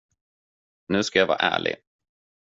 Nu ska jag vara ärlig.